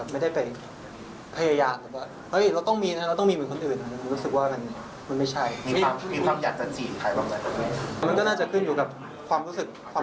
ไม่ได้ไปพยายามว่าเราต้องมีมีคนอื่น